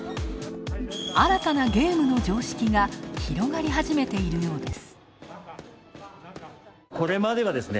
新たなゲームの常識が広がり始めているようです。